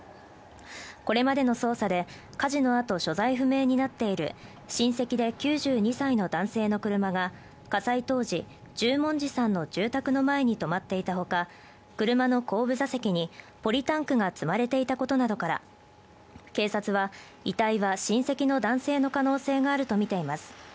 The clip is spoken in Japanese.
これまでの捜査で、火事のあと所在不明になっている親戚で９２歳の男性の車が火災当時、十文字さんの住宅の前に止まっていたほか、車の後部座席にポリタンクが積まれていたことなどから、警察は遺体は親戚の男性の可能性があるとみています。